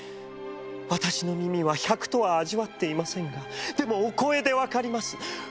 私の耳は百とは味わっていませんがでもお声でわかります。